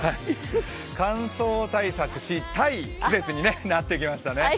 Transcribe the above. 感想対策したい季節になってきましたね。